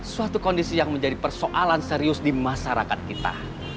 suatu kondisi yang menjadi persoalan serius di masyarakat kita